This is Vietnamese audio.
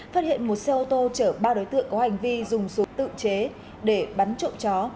phát hiện một xe ô tô chở ba đối tượng có hành vi dùng số tự chế để bắn trộm chó